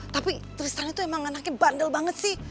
tapi tristan itu emang anaknya bandel banget sih